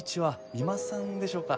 三馬さんでしょうか？